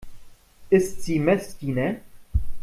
Ist sie Messdiener?